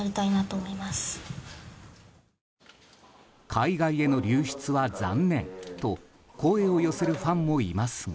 海外への流出は残念と声を寄せるファンもいますが。